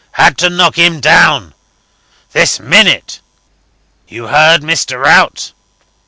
Had to knock him down. ... This minute. You heard, Mr. Rout?"